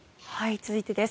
続いてです。